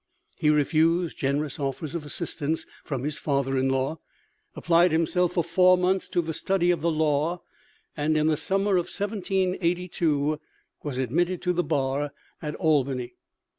He refused generous offers of assistance from his father in law, applied himself for four months to the study of the law, and in the summer of 1782 was admitted to the bar at Albany.